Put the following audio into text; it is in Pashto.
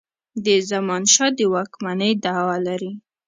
د زمانشاه د واکمنی دعوه لري.